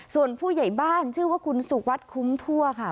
ส่วนผู้ใหญ่บ้านชื่อว่าคุณสุวัสดิคุ้มทั่วค่ะ